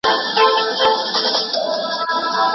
کور د باران نه خوندي شو.